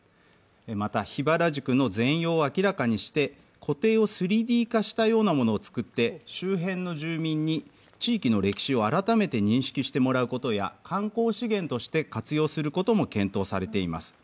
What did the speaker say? また、桧原宿の全容を明らかにして湖底を３Ｄ化したようなものを作って、周辺の住民に地域の歴史を改めて認識してもらうことや観光資源として活用することも検討されています。